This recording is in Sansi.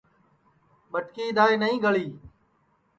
ٻٹکی اِدؔائے نائی گݪی